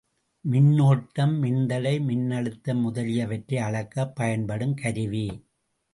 மின்னோட்டம், மின்தடை, மின்னழுத்தம் முதலியவற்றை அளக்கப் பயன்படுங் கருவி.